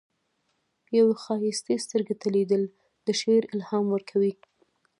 یوې ښایستې سترګې ته لیدل، د شعر الهام ورکوي.